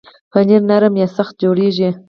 پنېر نرم یا سخت جوړېږي.